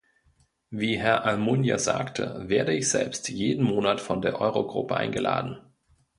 Wie Herr Almunia sagte, werde ich selbst jeden Monat von der Eurogruppe eingeladen.